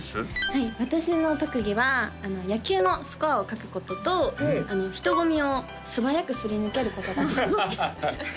はい私の特技は野球のスコアを書くことと人混みを素早くすり抜けることができます